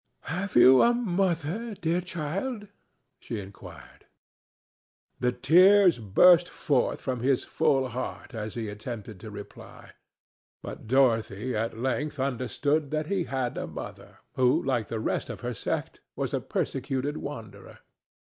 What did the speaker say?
"Have you a mother, dear child?" she inquired. The tears burst forth from his full heart as he attempted to reply, but Dorothy at length understood that he had a mother, who like the rest of her sect was a persecuted wanderer.